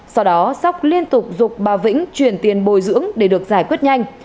sau đó sóc liên tục bà vĩnh chuyển tiền bồi dưỡng để được giải quyết nhanh